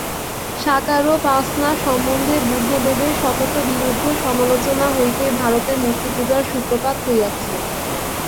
সাকারোপাসনা সম্বন্ধে বুদ্ধদেবের সতত বিরুদ্ধ সমালোচনা হইতেই ভারতে মূর্তিপূজার সূত্রপাত হইয়াছে।